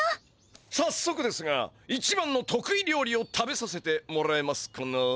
さっそくですが一番のとくい料理を食べさせてもらえますかな？